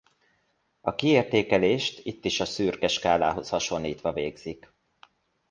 A kiértékelést itt is a szürke skálához hasonlítva végzik.